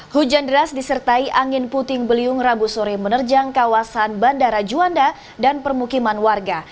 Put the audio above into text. hujan deras disertai angin puting beliung rabu sore menerjang kawasan bandara juanda dan permukiman warga